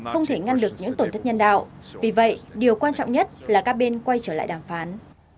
không thể ngăn được những tổn thất nhân đạo vì vậy điều quan trọng nhất là các bên quay trở lại đàm phán